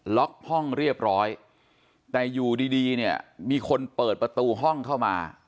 ล็อกห้องเรียบร้อยแต่อยู่ดีดีเนี่ยมีคนเปิดประตูห้องเข้ามา